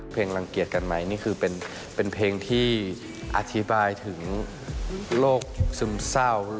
รังเกียจกันไหมนี่คือเป็นเพลงที่อธิบายถึงโรคซึมเศร้า